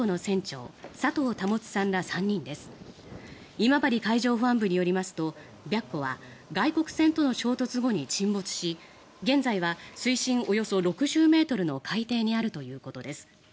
今治海上保安部によりますと「白虎」は外国船との衝突後に沈没し現在は水深およそ６０ｍの海底にあるということです。